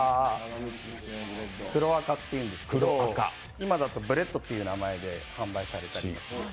黒赤っていうんですけど今だとブレッドっていう名前で販売されたりします。